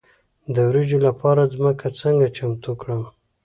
د وریجو لپاره ځمکه څنګه چمتو کړم؟